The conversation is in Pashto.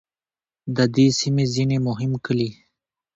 د دې سیمې ځینې مهم کلي